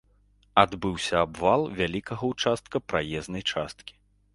Адбыўся абвал вялікага ўчастка праезнай часткі.